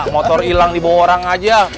motor hilang dibawa orang aja